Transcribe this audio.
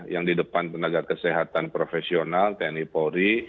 yang di depan tenaga kesehatan profesional tni polri